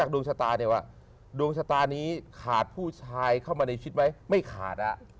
ดวงชะตาหาดผู้ชายเข้ามาในชีวิตไหมไม่ขาด